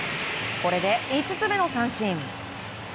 これで５つ目の三振。